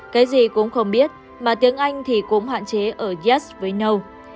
cái gì cũng không biết mà tiếng anh thì cũng hạn chế ở half với null